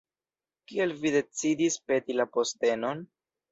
Kial vi decidis peti la postenon?